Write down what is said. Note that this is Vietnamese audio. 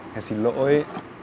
kẹp xin lỗi